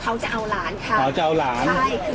เขาจะเอาหลานค่ะเขาจะเอาหลานใช่